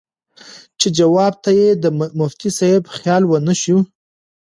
چې جواب ته ئې د مفتي صېب خيال ونۀ شۀ